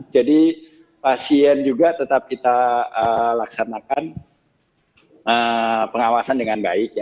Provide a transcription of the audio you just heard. jadi pasien juga tetap kita laksanakan pengawasan dengan baik